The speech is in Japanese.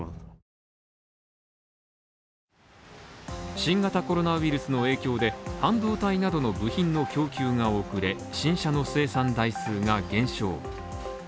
新型コロナウイルスの影響で半導体などの部品の供給が遅れ、新車の生産台数が減少。